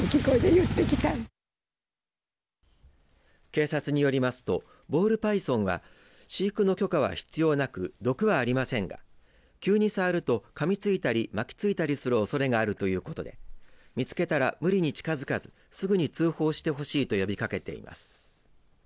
警察によりますとボールパイソンは飼育の許可は必要なく毒はありませんが急に触るとかみついたり巻きついたりするおそれがあるということで見つけたら無理に近づかずすぐに通報してほしいと呼びかけています。